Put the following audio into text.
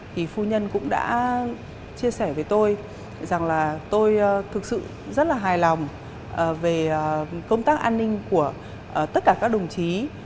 thì phu nhân cũng đã chia sẻ với tôi rằng là tôi thực sự rất là hài lòng về công tác an ninh của tất cả các đồng chí